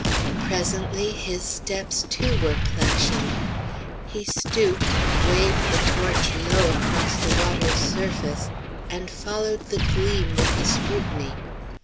Presently his steps, too, were plashing. He stooped, waved the torch low across the water's surface, and followed the gleam with his scrutiny.